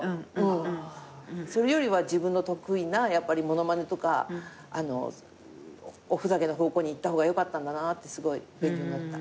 それよりは自分の得意な物まねとかおふざけの方向にいった方がよかったんだなってすごい勉強になった。